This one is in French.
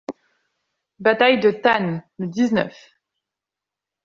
Bataille de Tann, le dix-neuf.